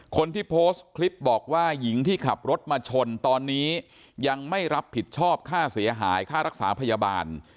คนที่โพสต์คลิปบอกว่าหญิงที่ขับรถมาชนตอนนี้ยังไม่รับผิดชอบค่าเสียหายค่ารักษาพยาบาล